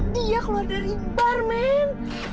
dia keluar dari bar men